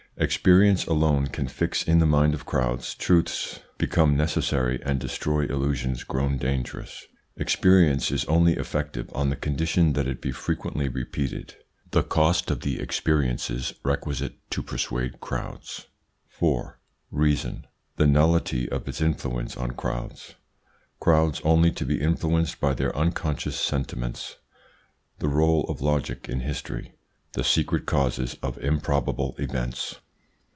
Experience alone can fix in the mind of crowds truths become necessary and destroy illusions grown dangerous Experience is only effective on the condition that it be frequently repeated The cost of the experiences requisite to persuade crowds. 4. REASON. The nullity of its influence on crowds Crowds only to be influenced by their unconscious sentiments The role of logic in history The secret causes of improbable events.